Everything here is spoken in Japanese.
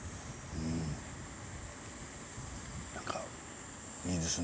うん何かいいですね。